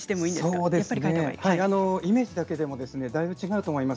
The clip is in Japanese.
イメージだけでもだいぶ違うと思います。